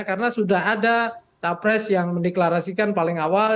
karena sudah ada cawapres yang mendeklarasikan paling awal